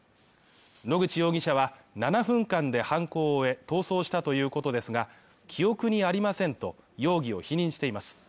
野口容疑者は７分間で犯行を終え、逃走したということですが、記憶にありませんと容疑を否認しています。